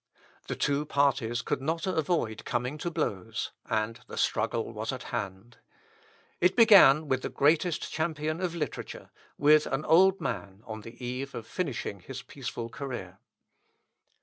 The two parties could not avoid coming to blows, and the struggle was at hand. It began with the greatest champion of literature, with an old man on the eve of finishing his peaceful career.